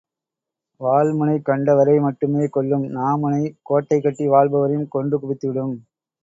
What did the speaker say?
வாள்முனை கண்டவரை மட்டுமே கொல்லும் நா முனை கோட்டை கட்டி வாழ்பவரையும் கொன்று குவித்துவிடும்.